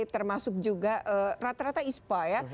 termasuk juga rata rata ispa ya